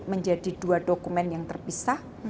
menjadi dua dokumen yang terpisah